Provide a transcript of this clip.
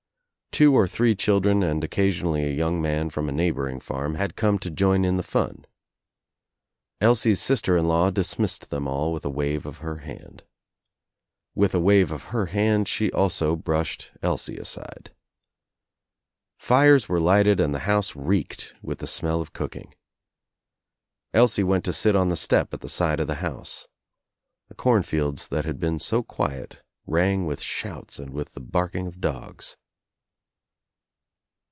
Two or three children and occasionally a young man from a neighboring farm had come to join in the lun. Elsie's sister in law dis missed them all with a wave of her hand. With a wave of her hand she also brushed Elsie aside. Fires weie lighted and the house reeked with the smell of cooking. Elsie went to sit on the step at the side of the house. The corn fields that had been so quiet rang with shouts and with the barking of dogs.